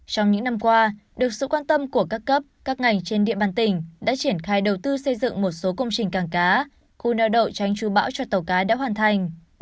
trong những năm qua được sự quan tâm của các cấp các ngành trên địa bàn tỉnh đã triển khai đầu tư xây dựng một số công trình càng cá khu neo đậu tránh chú bão cho tàu cá đã hoàn thành